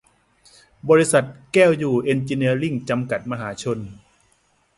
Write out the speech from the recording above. บริษัท แก้วอยู่เอ็นจิเนียริ่ง จำกัด มหาชน